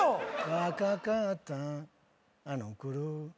「若かったあの頃」